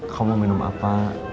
kau mau minum apa